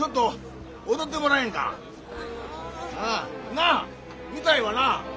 なあ見たいわなあ！